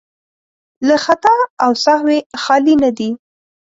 له خطا او سهوی خالي نه دي.